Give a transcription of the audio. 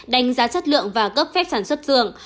đánh giá chất lượng và cấp phép sản xuất dường